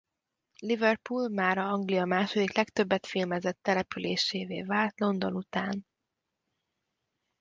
Liverpool mára Anglia második legtöbbet filmezett településévé vált London után.